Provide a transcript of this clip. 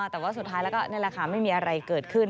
แต่สุดท้ายเนี่ยแหละค่ะไม่มีอะไรเกิดขึ้น